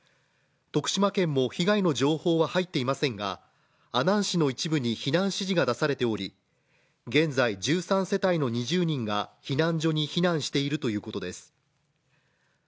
徳島県も被害の情報は入っていませんが、阿南市の一部に避難指示が出されており、現在１３世帯の２０人が避難所に避難しているということです。